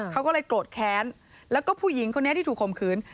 เขาก็เลยโกรธแค้นแล้วก็ผู้หญิงคนนี้ที่ถูกข่มขืน